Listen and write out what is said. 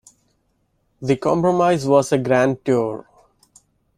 The compromise was a Grand Tour.